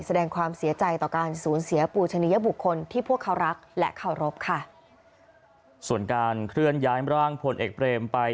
แสดงความเสียใจต่อการสูญเสียปูชนิยบุคคลที่พวกเขารักและเคารพค่ะส่วนการเคลื่อนย้ายร่างพลเอกเบรมไป